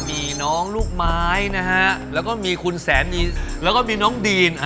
มีน้องลูกไม้นะฮะแล้วก็มีคุณแสนดีแล้วก็มีน้องดีน